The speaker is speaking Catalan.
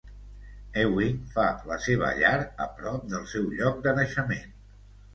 Ewing fa la seva llar a prop del seu lloc de naixement.